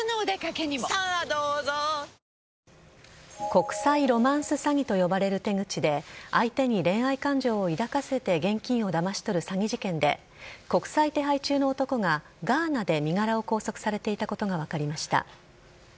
国際ロマンス詐欺と呼ばれる手口で、相手に恋愛感情を抱かせて現金をだまし取る詐欺事件で、国際手配中の男が、ガーナで身柄を拘束されていたことが分かりました。